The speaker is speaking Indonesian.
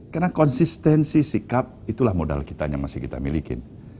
karena konsistensi sikap itulah modal kita yang masih kita miliki